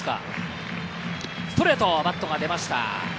ストレートはバットが出ました。